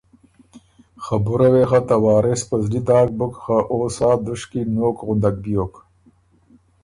خبُره وې خه ته وارث په زلی داک بُک خه او سا دُشکی نوک غُندک بیوک